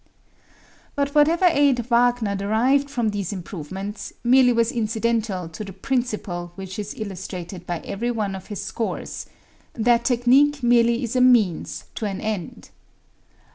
But whatever aid Wagner derived from these improvements merely was incidental to the principle which is illustrated by every one of his scores that technique merely is a means to an end.